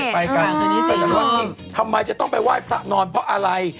อ๋อพี่ไปด้วยนี่